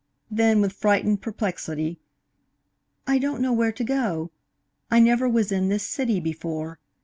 Then, with frightened perplexity: "I don't know where to go. I never was in this city before.